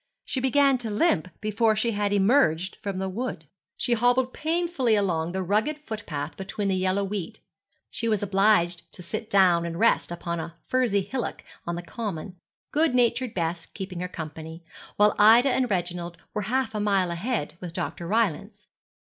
She began to limp before she had emerged from the wood. She hobbled painfully along the rugged footpath between the yellow wheat. She was obliged to sit down and rest upon a furzy hillock on the common, good natured Bess keeping her company, while Ida and Reginald were half a mile ahead with Dr. Rylance.